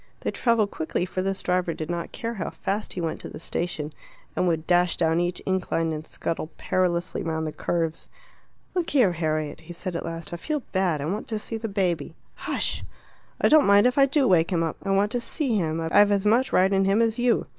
They travelled quickly, for this driver did not care how fast he went to the station, and would dash down each incline and scuttle perilously round the curves. "Look here, Harriet," he said at last, "I feel bad; I want to see the baby." "Hush!" "I don't mind if I do wake him up. I want to see him. I've as much right in him as you."